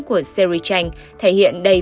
của series tranh thể hiện đầy